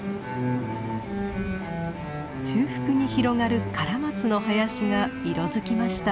中腹に広がるカラマツの林が色づきました。